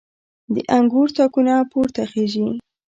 د انګور تاکونه پورته خیژي